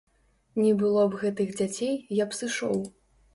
Не было б гэтых дзяцей, я б сышоў.